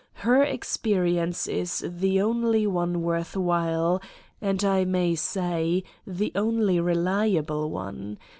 Her experience is the only one worth while, and, I may say, the only reliable one.